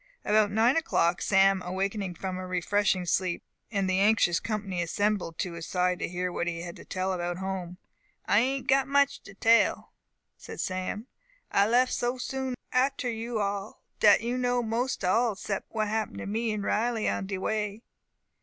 About nine o'clock Sam awakened from a refreshing sleep, and the anxious company assembled at his side to hear what he had to tell about home. "I a'nt got much to tell," said Sam, "I lef so soon a'ter you all, dat you know most all sept what happen to me and Riley on de way."